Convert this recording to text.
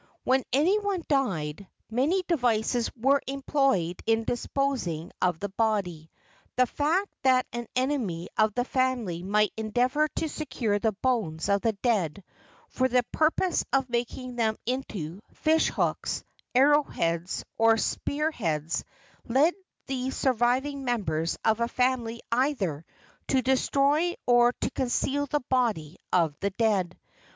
When any one died, many devices were employed in dispos¬ ing of the body. The fact that an enemy of the family might endeavor to secure the bones of the dead for the pur¬ pose of making them into fish hooks, arrow heads, or spear¬ heads led the surviving members of a family either to destroy or to conceal the body of the dead.